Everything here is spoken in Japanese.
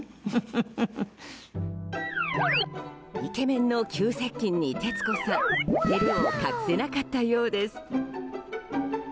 イケメンの急接近に徹子さん照れを隠せなかったようです。